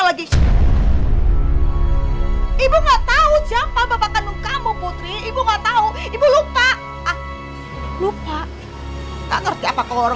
lagi ibu enggak tahu siapa bapak kandung kamu putri ibu enggak tahu ibu lupa lupa